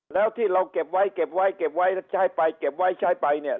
แล้วที่เราเก็บไว้เก็บไว้เก็บไว้ใช้ไปเก็บไว้ใช้ไปเนี่ย